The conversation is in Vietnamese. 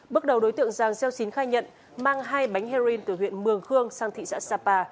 bước đầu đối tượng giàng xeo xín khai nhận mang hai bánh heroin từ huyện mường khương sang thị xã sapa